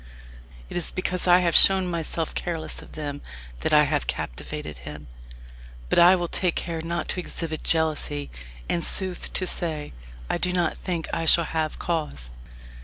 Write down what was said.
It is because I have shown myself careless of them that I have captivated him. But I will take care not to exhibit jealousy, and, sooth to say, I do not think I shall have cause."